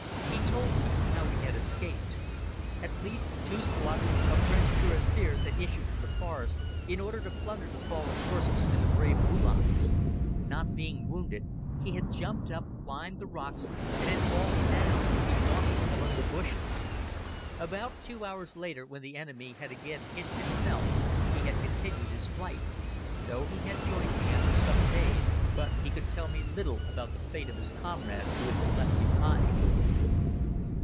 He told me how he had escaped. At least two squadrons of French cuirassiers had issued from the forest in order to plunder the fallen horses and the brave Uhlans. Not being wounded, he had jumped up, climbed the rocks and had fallen down exhausted among the bushes. About two hours later, when the enemy had again hidden himself, he had continued his flight. So he had joined me after some days, but he could tell me little about the fate of his comrades who had been left behind.